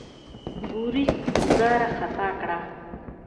بوریس ګوزاره خطا کړه.